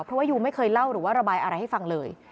เพราะว่ายูไม่เคยเล่าหรือว่าระบายอะไรให้ฟังเลย